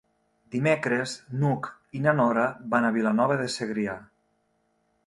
Dimecres n'Hug i na Nora van a Vilanova de Segrià.